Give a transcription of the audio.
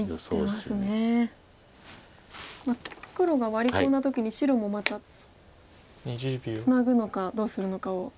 まあ黒がワリ込んだ時に白もまたツナぐのかどうするのかを。